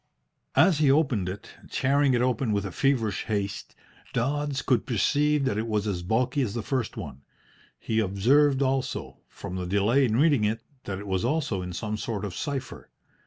As he opened it, tearing it open with a feverish haste, Dodds could perceive that it was as bulky as the first one. He observed also, from the delay in reading it, that it was also in some sort of cipher.